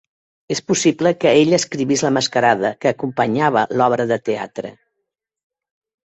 És possible que ell escrivís la mascarada que acompanyava l'obra de teatre.